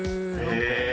へえ。